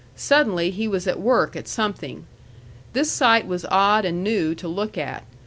Suddenly he was at work at something. This sight was odd and new to look at.